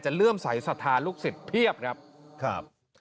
จะเรื่องใสสถานลูกศิษย์เพียบครับ